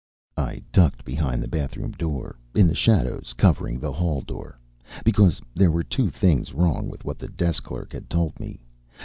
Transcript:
I ducked behind the bathroom door, in the shadows, covering the hall door. Because there were two things wrong with what the desk clerk had told me.